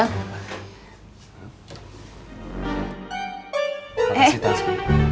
apa sih tasku